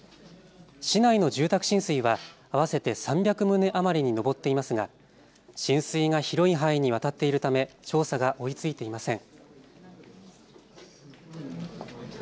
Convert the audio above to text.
市内の住宅浸水は合わせて３００棟余りに上っていますが浸水が広い範囲にわたっているため調査が追いついていません。